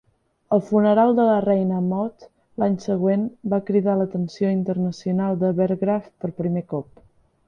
El funeral de la reina Maud l'any següent va cridar l'atenció internacional de Berggrav per primer cop.